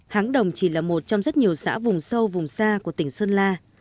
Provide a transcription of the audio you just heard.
háng đồng chỉ là một trong rất nhiều xã vùng sâu vùng xa của tỉnh sơn la